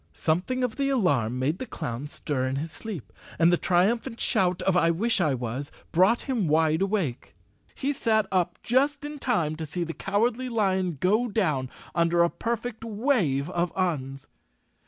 Something of the alarm made the clown stir in his sleep, and the triumphant shout of I wish I was brought him wide awake. He sat up just in time to see the Cowardly Lion go down under a perfect wave of Uns.